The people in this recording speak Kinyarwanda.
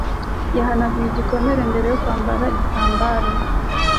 Yahanaguye igikomere mbere yo kwambara igitambaro.